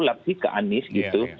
karena itu bulat sih ke anis gitu